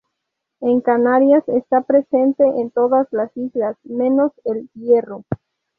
En Canarias está presente en todas las islas menos El Hierro.